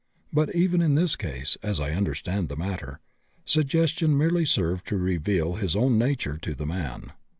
But even in this case, as I understand the matter, suggestion merely served to reveal his own nature to the man.